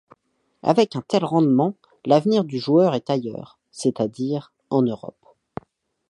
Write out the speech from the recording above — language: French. Avec un tel rendement, l’avenir du joueur est ailleurs, c’est-à-dire en Europe.